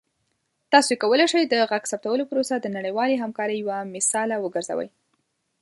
تاسو کولی شئ د غږ ثبتولو پروسه د نړیوالې همکارۍ یوه مثاله وګرځوئ.